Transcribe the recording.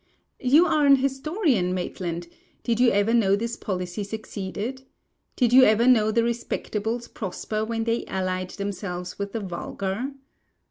You are an historian, Maitland: did you ever know this policy succeed? Did you ever know the respectables prosper when they allied themselves with the vulgar?